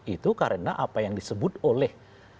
itu karena apa yang disebut oleh